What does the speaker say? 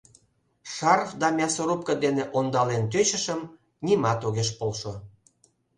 Шарф да мясорубко дене ондален тӧчышым — нимат огеш полшо.